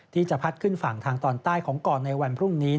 ที่จะพัดขึ้นฝั่งทางตอนใต้ของก่อนในวันพรุ่งนี้